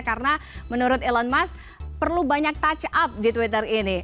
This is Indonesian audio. karena menurut elon musk perlu banyak touch up di twitter ini